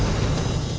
di dalam udara